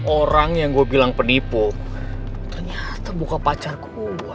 orang yang aku bilang penipu ternyata bukap pacar aku